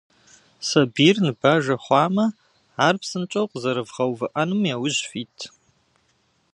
Сабийр ныбажэ хъуамэ, ар псынщӏэу къэзэрывгъэувыӏэным яужь фит.